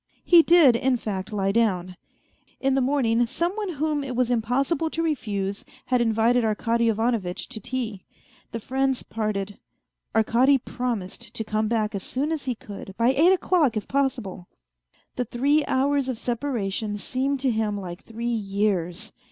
He did, in fact. lie down. In the morning, some one whom it was impossible to refuse had invited Arkady Ivanovitch to tea. The friends parted. Arkady promised to come back as soon as he could, by eight o'clock if possible. The three hours of separation seemed to him like three years.